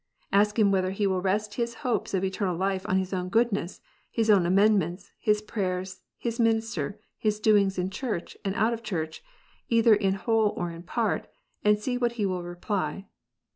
Ask him whether he will rest his hopes of eternal life on his own goodness, his own /C amendments, his prayers, his minister, his doings in church and/{ out of church, either in whole or in part, and see what he will jneply.